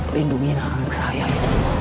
lindungi anak anak saya